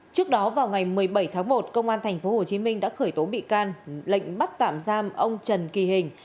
trước đó vào ngày một mươi bảy tháng một công an tp hcm đã khởi tố bị can lệnh bắt tạm giam ông trần kỳ hình